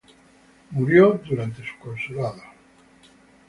Murió durante su consulado.